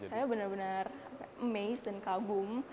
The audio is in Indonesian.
saya benar benar amaze dan kagum